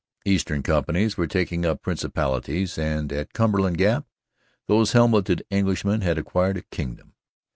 Eastern companies were taking up principalities, and at Cumberland Gap, those helmeted Englishmen had acquired a kingdom.